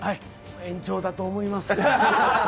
延長だと思います。